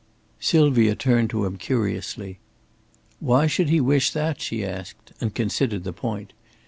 Sylvia turned to him curiously. "Why should he wish that?" she asked, and considered the point.